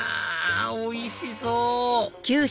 おいしそう！